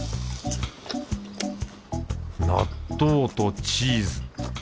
納豆とチーズ。